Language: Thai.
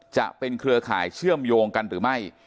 เครือข่ายเชื่อมโยงกันหรือไม่